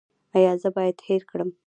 ایا زه باید هیر کړم؟